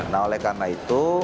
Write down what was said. nah oleh karena itu